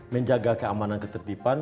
menjaga keamanan ketertiban